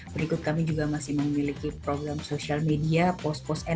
berikut kami juga masih memiliki program sosial media post post ramadan